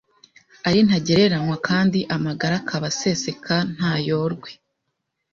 ari ntagereranywa kandi amagara akaba aseseka ntayorwe.